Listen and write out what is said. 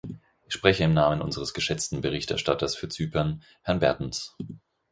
Ich spreche im Namen unseres geschätzten Berichterstatters für Zypern, Herrn Bertens.